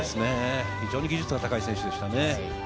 非常に技術が高い選手ですからね。